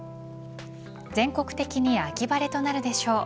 全国的に秋晴れとなるでしょう。